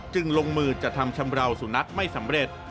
ลงมือจะทำชำราวสุนัขไม่สำเร็จ